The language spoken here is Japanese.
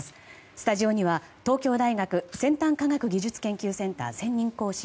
スタジオには東京大学先端科学技術研究センター専任講師